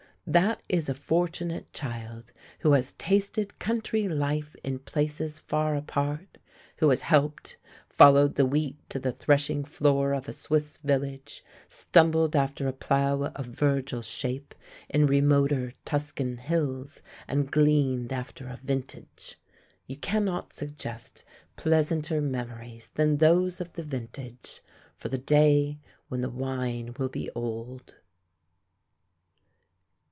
That is a fortunate child who has tasted country life in places far apart, who has helped, followed the wheat to the threshing floor of a Swiss village, stumbled after a plough of Virgil's shape in remoter Tuscan hills, and gleaned after a vintage. You cannot suggest pleasanter memories than those of the vintage, for the day when the wine will be old.